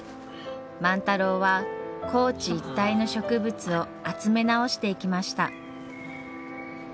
万太郎は高知一帯の植物を集め直していきました。